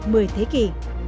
mười thế kỷ